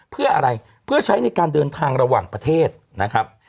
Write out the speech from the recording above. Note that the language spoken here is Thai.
เพื่ออะไรเพื่อใช้ในการเดินทางระหว่างประเทศนะครับ